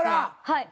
はい。